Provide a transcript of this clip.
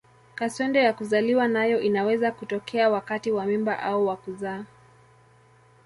Kaswende ya kuzaliwa nayo inaweza kutokea wakati wa mimba au wa kuzaa.